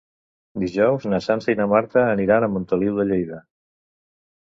Dijous na Sança i na Marta aniran a Montoliu de Lleida.